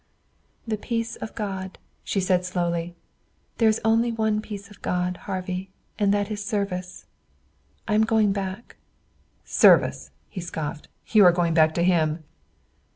"The peace of God!" she said slowly. "There is only one peace of God, Harvey, and that is service. I am going back." "Service!" he scoffed. "You are going back to him!"